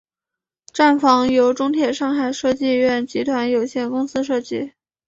站房由中铁上海设计院集团有限公司设计。